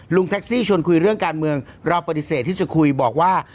แท็กซี่ชวนคุยเรื่องการเมืองเราปฏิเสธที่จะคุยบอกว่า